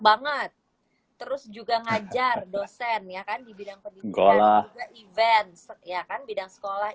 banget terus juga ngajar dosen ya kan di bidang pendidikan juga event ya kan bidang sekolah